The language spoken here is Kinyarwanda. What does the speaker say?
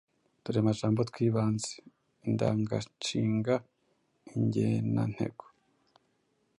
Uturemajambo tw’ibanze: Indanganshinga, ingenantego,